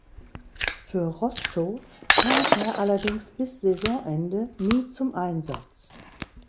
Für Rostow kam er allerdings bis Saisonende nie zum Einsatz.